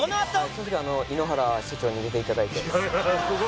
その時は井ノ原社長に出て頂いて。